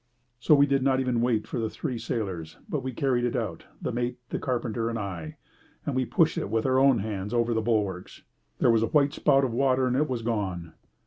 So we did not even wait for the three sailors, but we carried it out, the mate, the carpenter, and I, and we pushed it with our own hands over the bulwarks. There was a white spout of water, and it was gone.